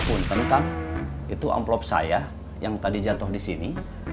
untung kan itu envelope saya yang tadi jatoh disini